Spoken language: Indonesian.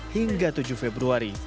hingga tujuh februari